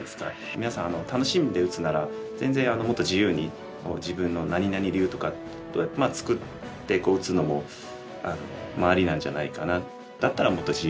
皆さん楽しんで打つなら全然もっと自由に自分の「何々流」とか作って打つのもありなんじゃないかな。